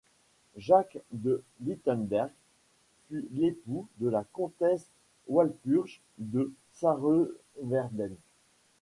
Jacques de Lichtenberg fut l'époux de la comtesse Walpurge de Sarrewerden.